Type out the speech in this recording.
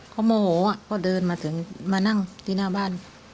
เขาโมโหอะก็เดินมานั่งที่หน้าบ้าน